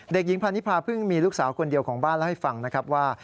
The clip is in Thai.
เด็กหญิงพานิพาเพิ่งมีลูกสาวคนเดียวของบ้านเล่าให้ฟังนะครับว่า